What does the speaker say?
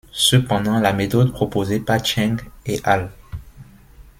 Cependant, la méthode proposée par Cheng et al.